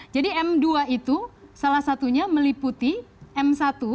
m dua itu salah satunya meliputi m satu